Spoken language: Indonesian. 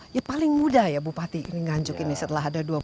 ya paling muda ya bupati nganjuk ini setelah ada